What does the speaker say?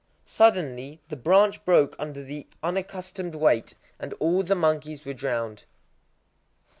Suddenly the branch broke under the unaccustomed weight; and all the monkeys were drowned.